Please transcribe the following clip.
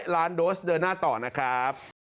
ล้านโดสเดินหน้าต่อนะครับ